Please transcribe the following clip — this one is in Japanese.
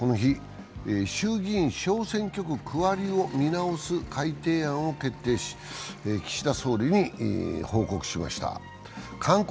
衆議院小選挙区区割りを見直す改定案を決定し岸田総理に勧告しました。